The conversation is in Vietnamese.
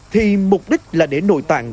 thì mục đích là để nội tạng